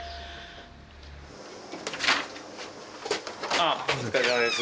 あっお疲れさまです。